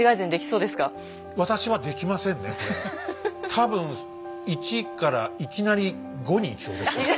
多分一からいきなり五にいきそうです。